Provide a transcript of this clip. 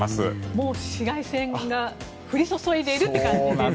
もう紫外線が降り注いでいるって感じですね。